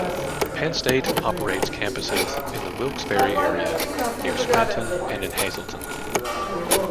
Penn State operates campuses in the Wilkes-Barre area, near Scranton and in Hazleton.